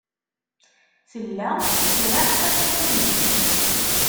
Tella tettraḥ tamemt.